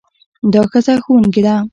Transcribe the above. دا ښځه ښوونکې ده.